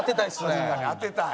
確かに当てたい！